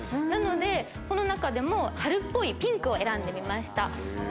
なので、その中でも春っぽいピンクを選んでみました。